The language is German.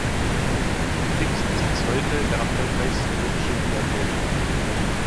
Dixon ist bis heute der erfolgreichste britische Biathlet.